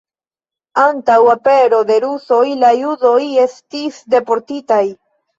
Antaŭ apero de rusoj la judoj estis deportitaj.